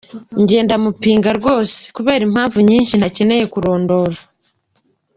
Njye ndamupinga rwose kubera impamvu nyinshi ntakeneye kurondora.